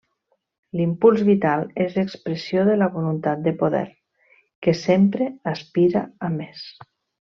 L'impuls vital és expressió de la voluntat de poder, que sempre aspira a més.